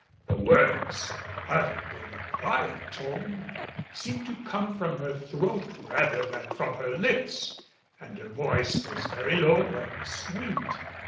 The words, uttered in a quiet tone, seemed to come from her throat rather than from her lips and her voice was very low and sweet.